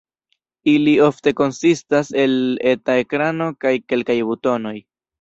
Ili ofte konsistas el eta ekrano kaj kelkaj butonoj.